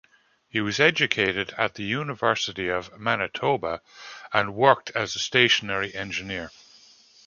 He was educated at the University of Manitoba, and worked as a stationary engineer.